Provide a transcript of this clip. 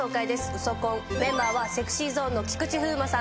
『ウソ婚』メンバーはＳｅｘｙＺｏｎｅの菊池風磨さん。